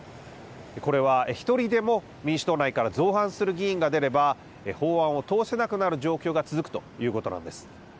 これは１人でも民主党内から造反する議員が出れば法案を通せなくなる状況が続くということなんです。